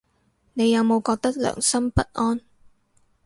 你有冇覺得良心不安